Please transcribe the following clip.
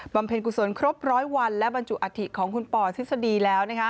เพ็ญกุศลครบร้อยวันและบรรจุอัฐิของคุณปอทฤษฎีแล้ว